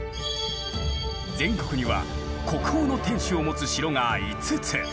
全国には国宝の天守を持つ城が５つ。